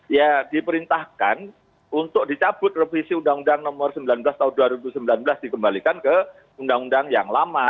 ya diperintahkan untuk dicabut revisi undang undang nomor sembilan belas tahun dua ribu sembilan belas dikembalikan ke undang undang yang lama